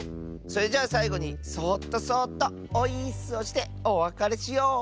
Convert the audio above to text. それじゃあさいごにそっとそっとオイーッスをしておわかれしよう。